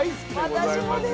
私もです。